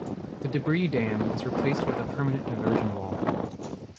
The debris dam was replaced with a permanent diversion wall.